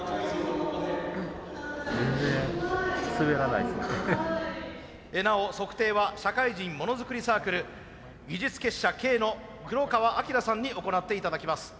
なお測定は社会人ものづくりサークル技術結社Ｋのくろかわあきらさんに行って頂きます。